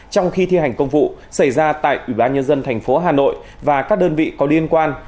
trong khi thi hành công vụ xảy ra tại ủy ban nhân dân tp hà nội và các đơn vị có liên quan